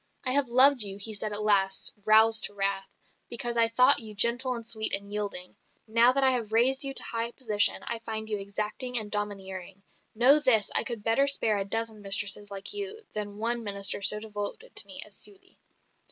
"I have loved you," he said at last, roused to wrath, "because I thought you gentle and sweet and yielding; now that I have raised you to high position, I find you exacting and domineering. Know this, I could better spare a dozen mistresses like you than one minister so devoted to me as Sully."